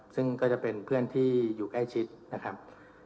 ซึ่งก็จะเป็นเพื่อนที่อยู่ใกล้ชิดนะครับ